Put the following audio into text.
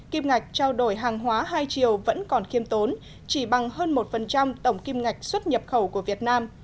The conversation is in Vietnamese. kim ngạch trao đổi hàng hóa hai triệu vẫn còn khiêm tốn chỉ bằng hơn một tổng kim ngạch xuất nhập khẩu của việt nam